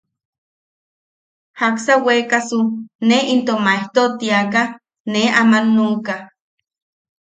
Jaksa weekasu nee into maejto ti jiaka nee aman nuʼuka.